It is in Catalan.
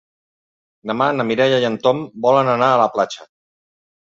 Demà na Mireia i en Tom volen anar a la platja.